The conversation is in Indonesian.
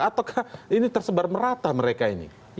ataukah ini tersebar merata mereka ini